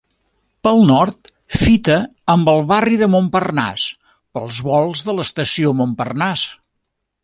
Pel nord, fita amb el barri de Montparnasse, pels volts de l'Estació Montparnasse.